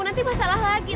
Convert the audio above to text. nanti masalah lagi